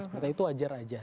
seperti itu wajar aja